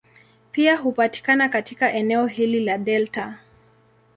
Pia hupatikana katika eneo hili la delta.